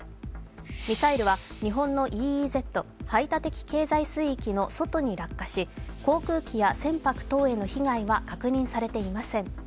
ミサイルは日本のＥＥＺ＝排他的経済水域の外に落下し、航空機や船舶等への被害は確認されていません。